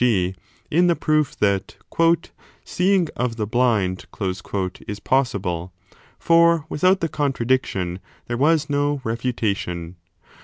g. in the proof that seeing of the blind is possible : for without the contradiction there was no refutation.